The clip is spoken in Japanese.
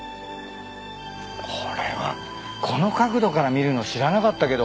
これはこの角度から見るの知らなかったけど。